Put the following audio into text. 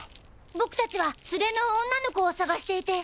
僕達は連れの女の子を捜していて。